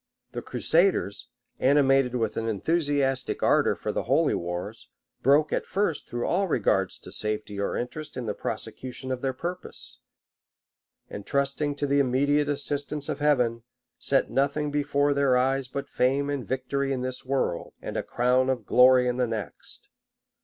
The crusaders, animated with an enthusiastic ardor for the holy wars, broke at first through all regards to safety or interest in the prosecution of their purpose; and trusting to the immediate assistance of Heaven, set nothing before their eyes but fame and victory in this world, and a crown of glory in the next.